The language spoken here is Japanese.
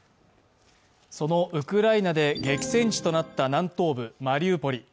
そのウクライナで激戦地となった南東部マリウポリ。